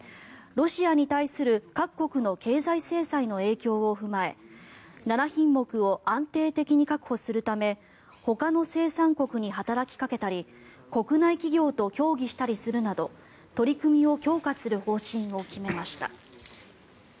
ロシアに対する各国の経済制裁の影響を踏まえ７品目を安定的に確保するためほかの生産国に働きかけたり国内企業と協議したりするなど取り組みを強化する方針を決めました。